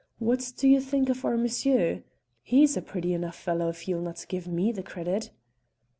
What do you think of our monsher? He's a pretty enough fellow, if you'll not give me the credit."